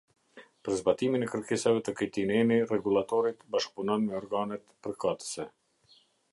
Për zbatimin e kërkesave të këtij neni Rregullatorit bashkëpunon me organet përkatëse.